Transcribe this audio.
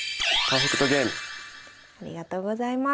ありがとうございます。